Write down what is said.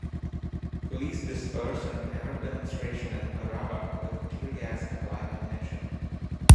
Police dispersed an Arab demonstration in Arraba with tear gas and live ammunition.